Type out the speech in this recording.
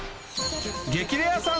『激レアさん』